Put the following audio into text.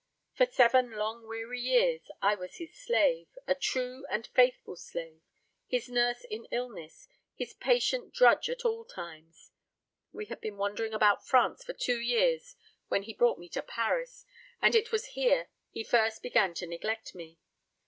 For seven long weary years I was his slave, a true and faithful slave; his nurse in illness, his patient drudge at all times. We had been wandering about France for two years, when he brought me to Paris; and it was here he first began to neglect me.